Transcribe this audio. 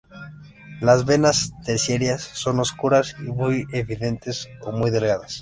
Las venas terciarias son oscuras y muy evidentes o muy delgadas.